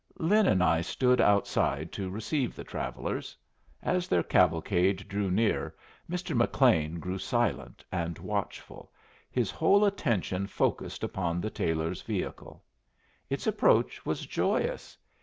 Lin and I stood outside to receive the travellers. As their cavalcade drew near, Mr. McLean grew silent and watchful, his whole attention focused upon the Taylors' vehicle. Its approach was joyous.